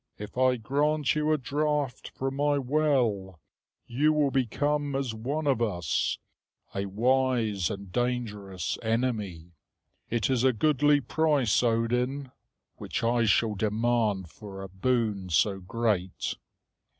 If I grant you a draught from my well, you will become as one of us, a wise and dangerous enemy. It is a goodly price, Odin, which I shall demand for a boon so great."